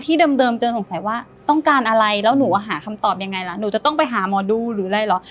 เดิมจะสงสัยว่าต้องการอะไรแล้วหนูหาคำตอบยังไงล่ะหนูจะต้องไปหาหมอดูหรืออะไรเหรอ